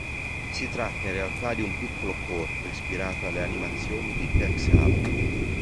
Si tratta in realtà di un piccolo corto ispirato alle animazioni di Tex Avery.